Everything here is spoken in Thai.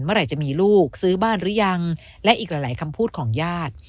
เมื่อไหร่จะมีลูกซื้อบ้านหรือยังและอีกหลายคำพูดของญาติ